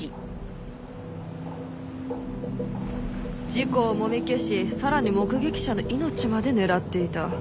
事故をもみ消しさらに目撃者の命まで狙っていた。